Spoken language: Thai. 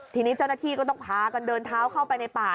ทีนี้เจ้าหน้าที่ก็ต้องพากันเดินเท้าเข้าไปในป่า